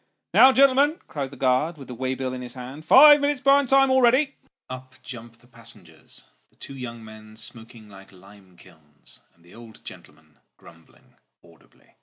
" Now, gen'lm'n," cries the guard, with the waybill in his hand. " Five minutes behind time already !" Up jump the passengers the two young men smoking like lime kilns, and the old gentleman grumbling audibly.